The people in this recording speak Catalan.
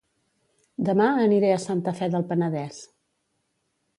Dema aniré a Santa Fe del Penedès